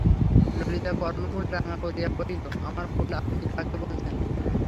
ললিতা কর্ণমূল রাঙা করিয়া কহিল, আমার ফুল আপনি কাকে বলছেন?